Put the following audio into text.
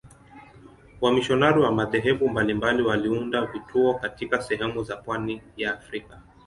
Wamisionari wa madhehebu mbalimbali waliunda vituo katika sehemu za pwani ya Afrika.